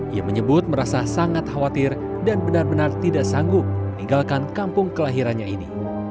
ia menyebut merasa sangat khawatir dan benar benar tidak sanggup meninggalkan kampung kelahirannya ini